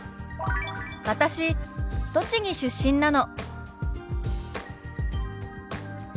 「私栃木出身なの」。